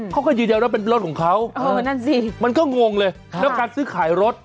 เขาก็อยู่เดียวแล้วเป็นรถของเขามันก็งงเลยแล้วการซื้อขายรถ